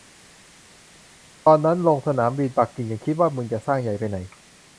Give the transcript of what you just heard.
ตอนนั้นลงสนามบินปักกิ่งยังคิดว่า มึงจะสร้างใหญ่ไปไหน